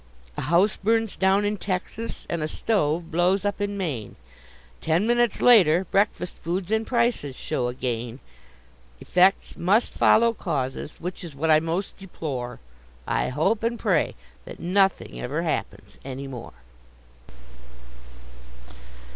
A house burns down in Texas and a stove blows up in Maine, Ten minutes later breakfast foods in prices show a gain. Effects must follow causes which is what I most deplore; I hope and pray that nothing ever happens any more.